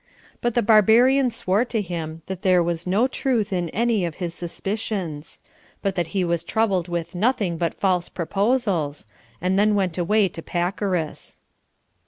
But the barbarian swore to him that there was no truth in any of his suspicions, but that he was troubled with nothing but false proposals, and then went away to Pacorus.